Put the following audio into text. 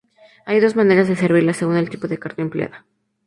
Hay dos maneras de servirla, según el tipo de carne empleada.